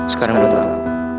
sekarang gue tutup